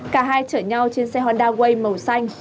cả hai chở nhau trên xe honda way màu xanh